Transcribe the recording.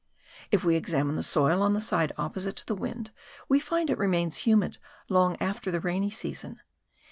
If we examine the soil on the side opposite to the wind, we find it remains humid long after the rainy season.